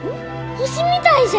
星みたいじゃ！